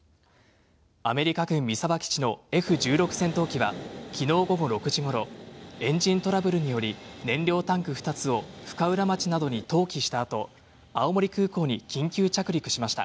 アメリカ軍三沢基地のＦ１６戦闘機は昨日午後６時頃、エンジントラブルにより燃料タンク２つを深浦町などに投棄した後、青森空港に緊急着陸しました。